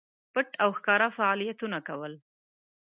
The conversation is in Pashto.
پټ او ښکاره فعالیتونه کول.